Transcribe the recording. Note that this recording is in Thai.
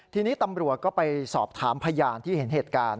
ทีนี้ตำรวจก็ไปสอบถามพยานที่เห็นเหตุการณ์